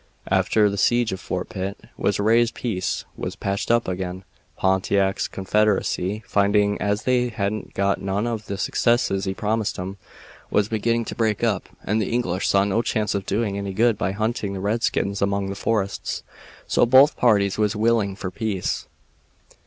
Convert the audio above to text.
After the siege of Fort Pitt was raised peace was patched up again. Pontiac's confederacy, finding as they hadn't got none of the successes he promised 'em, was beginning to break up, and the English saw no chance of doing any good by hunting the redskins among the forests, so both parties was willing for peace.